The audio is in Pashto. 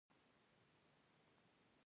د شپاړسو لویو پاچاهیو دوره پیل شوه.